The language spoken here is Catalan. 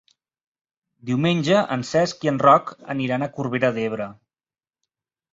Diumenge en Cesc i en Roc aniran a Corbera d'Ebre.